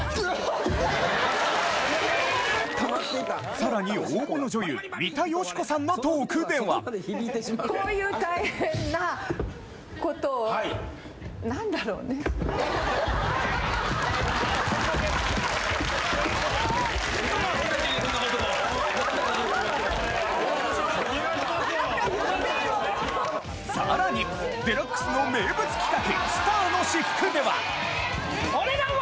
さらに大物女優三田佳子さんのトークではさらに『ＤＸ』の名物企画お値段は！